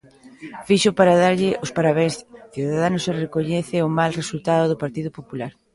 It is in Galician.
Fíxoo para darlle os parabéns Ciudadanos e recoñece o mal resultado do Partido Popular.